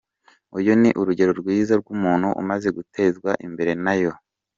Uyu ni urugero rwiza rw’umuntu umaze gutezwa imbere na yo.